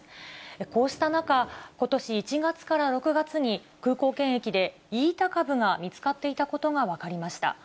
こうした中、ことし１月から６月に、空港検疫でイータ株が見つかっていたことが分かりました。